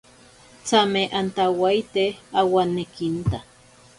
Tsame antawaite awanekinta.